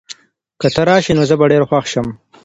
که ته راشې، نو زه به ډېر خوښ شم.